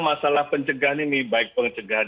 masalah pencegahan ini baik pencegahan